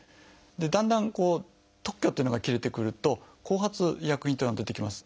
だんだん特許っていうのが切れてくると「後発医薬品」っていうのが出てきます。